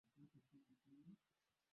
Wao ni wasichana.